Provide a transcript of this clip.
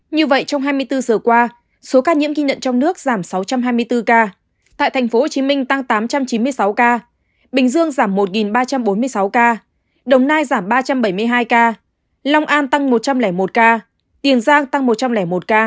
như vậy trong hai mươi bốn giờ qua số ca nhiễm ghi nhận trong nước giảm sáu trăm hai mươi bốn ca tại tp hcm tăng tám trăm chín mươi sáu ca bình dương giảm một ba trăm bốn mươi sáu ca đồng nai giảm ba trăm bảy mươi hai ca long an tăng một trăm linh một ca tiền giang tăng một trăm linh một ca